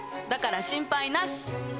だから心配なし。